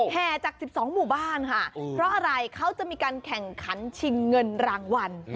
แห่จาก๑๒หมู่บ้านค่ะเพราะอะไรเขาจะมีการแข่งขันชิงเงินรางวัล